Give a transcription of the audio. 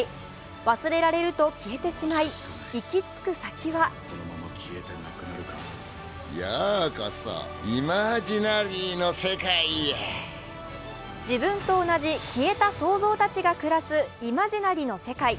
忘れられると消えてしまい、行き着く先は自分と同じ消えた想像たちが暮らすイマジナリの世界。